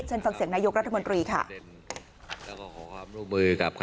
เชิญฟังเสียงนายกรัฐมนตรีค่ะแล้วก็ขอความร่วมมือกับ